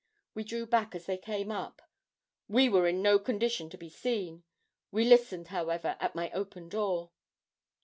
We drew back, as they came up. We were in no condition to be seen. We listened, however, at my open door.